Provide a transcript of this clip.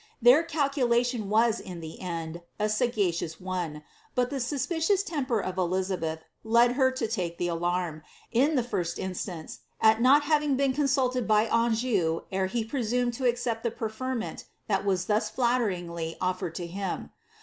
Their calculation was, in the end, a sagacious one, but ihe suspicious temper of Elizabeth led her to take the alarm, in the first instance, at not having been consulted by Anjou ere he presumed to ac cept the preferment that was thus flatteringly ofl^ered to him.